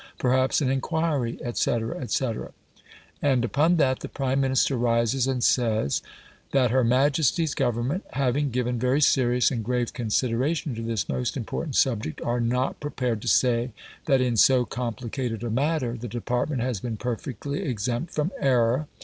Perhaps an inquiry," etc., etc. And upon that the Prime Minister rises and says: "That Her Majesty's Government having given very serious and grave consideration to this most important subject, are not prepared to say that in so complicated a matter the department has been perfectly exempt from error.